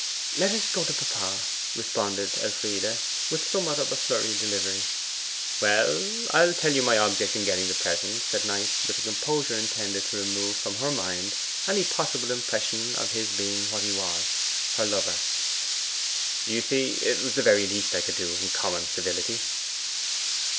Let us go to papa,' responded Elfride, with somewhat of a flurried delivery. 'Well, I'll tell you my object in getting the present,' said Knight, with a composure intended to remove from her mind any possible impression of his being what he was her lover. 'You see it was the very least I could do in common civility.